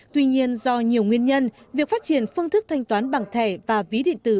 tuy nhiên do nhiều nguyên nhân việc phát triển phương thức thanh toán bằng thẻ và ví điện tử